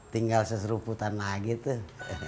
tinggal seseruputan lagi tuh